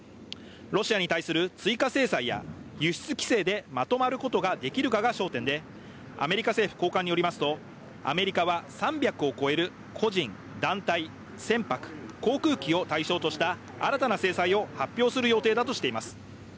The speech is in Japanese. ロシアに対する追加制裁や輸出規制でまとまることができるかが焦点でアメリカ政府高官によりますと、アメリカは３００を超える個人、団体、船舶、航空機を対象とした新たな制裁を発表する予定だとしています。